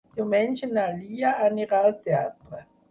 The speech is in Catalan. Diumenge na Lia anirà al teatre.